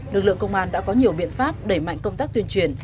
lực lượng công an đã có nhiều biện pháp đẩy mạnh công tác tuyên truyền